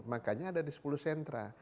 makanya ada di sepuluh sentra